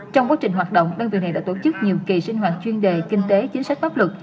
trong quá trình hoạt động đơn vị này đã tổ chức nhiều kỳ sinh hoạt chuyên đề kinh tế chính sách pháp luật